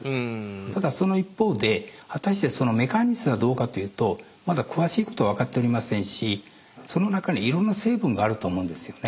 ただその一方で果たしてそのメカニズムがどうかというとまだ詳しいことは分かっておりませんしその中にいろんな成分があると思うんですよね。